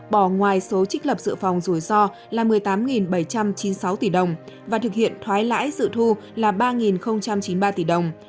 bỏ ngoài số trích lập dự phòng rủi ro là một mươi tám bảy trăm chín mươi sáu tỷ đồng và thực hiện thoái lãi dự thu là ba chín mươi ba tỷ đồng